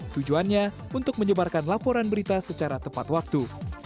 tujuannya untuk menyebarkan laporan berita secara tepat waktu